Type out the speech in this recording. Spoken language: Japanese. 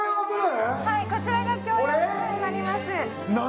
こちらが共用部分になります。